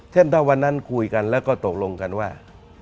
เช่นถ้าวันนั้นคุยกันแล้วก็ตกลงกันว่า